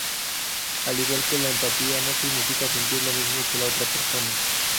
Al igual que la empatía, no significa sentir lo mismo que la otra persona.